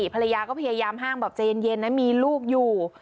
ภรรยาก็พยายามห้างบอกใจเย็นนะมีลูกอยู่